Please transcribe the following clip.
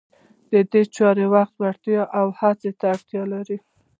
دا چاره وخت، وړتیا او هڅو ته اړتیا لري.